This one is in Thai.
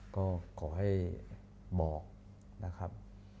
ก็ขอให้บอกนะครับ